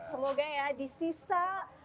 semoga ya di sisa